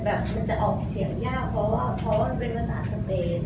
มันจะออกเสียงยากเพราะว่ามันเป็นภาษาสเปน